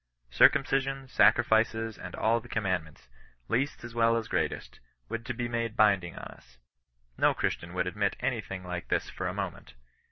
Circumcision, sacrifices, and all the commandments, least as well as greatest^ would be made binding on us. No Christian would admit any thing like this for a moment.